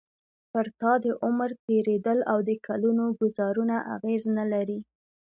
پر تا د عمر تېرېدل او د کلونو ګوزارونه اغېز نه لري.